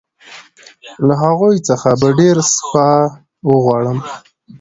له هغوی څخه به ډېر سپاه وغواړم.